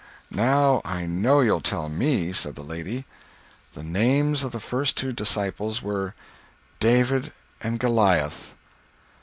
"Now I know you'll tell me," said the lady. "The names of the first two disciples were—" "_David And Goliah!